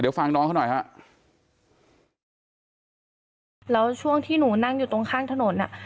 เดี๋ยวฟังน้องเขาหน่อยฮะแล้วช่วงที่หนูนั่งอยู่ตรงข้างถนนอ่ะ